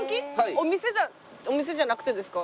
お店お店じゃなくてですか？